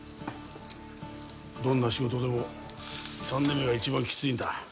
どんな仕事でも３年目が一番キツいんだ